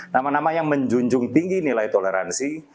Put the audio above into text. nama nama yang menjunjung tinggi nilai toleransi